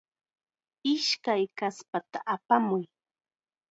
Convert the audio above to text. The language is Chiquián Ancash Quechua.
Ishkay kaspata apamuy.